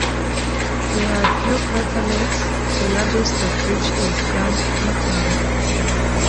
There are a few crater lakes, the largest of which is Grand Etang.